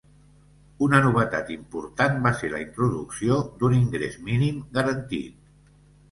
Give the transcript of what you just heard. Una novetat important va ser la introducció d'un ingrés mínim garantit.